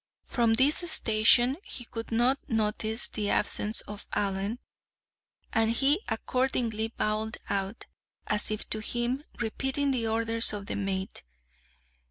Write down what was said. From this station he could not notice the absence of Allen, and he accordingly bawled out, as if to him, repeating the orders of the mate.